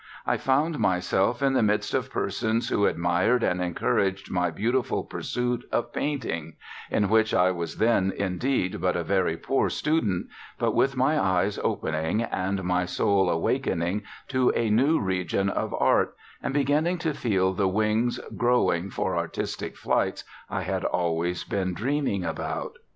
I found myself in the midst of persons who admired and encouraged my beautiful pursuit of painting, in which I was then indeed but a very poor student, but with my eyes opening and my soul awakening to a new region of Art, and beginning to feel the wings growing for artistic flights I had always been dreaming about.